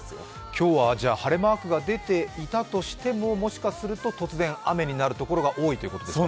今日は晴れマークが出ていたとしてももしかすると突然雨になるところが多いということですか。